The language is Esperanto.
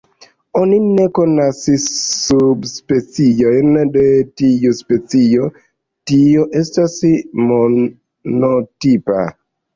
Oni ne konas subspeciojn de tiu specio, tio estas monotipa.